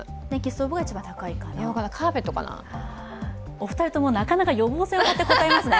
お二人ともなかなか予防線を張って答えますね。